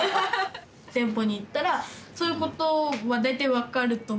店舗に行ったらそういうことは大体分かると思うんですよ。